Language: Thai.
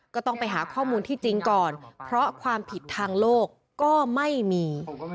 ก็ต้องไปหาข้อมูลที่จริงก่อนเพราะความผิดทางโลกก็ไม่มี